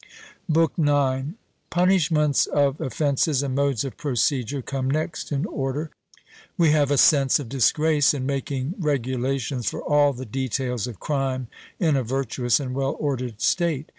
BOOK IX. Punishments of offences and modes of procedure come next in order. We have a sense of disgrace in making regulations for all the details of crime in a virtuous and well ordered state.